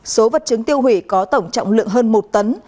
số vật chứng tiêu hủy có tổng trọng lượng hơn một tấn